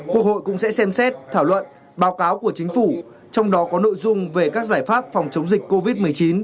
quốc hội cũng sẽ xem xét thảo luận báo cáo của chính phủ trong đó có nội dung về các giải pháp phòng chống dịch covid một mươi chín